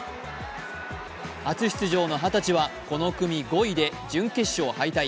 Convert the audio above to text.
初出場の二十歳はこの組５位で準決勝敗退。